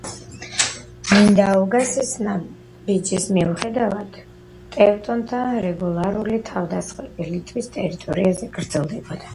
მინდაუგასის ნაბიჯის მიუხედავად ტევტონთა რეგულარული თავდასხმები ლიტვის ტერიტორიაზე გრძელდებოდა.